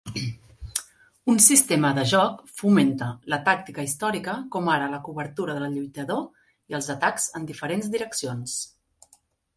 Un sistema de joc fomenta la tàctica històrica com ara la cobertura del lluitador i els atacs en diferents direccions.